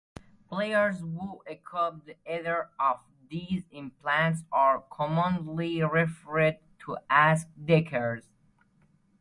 Players who equip either of these implants are commonly referred to as "deckers".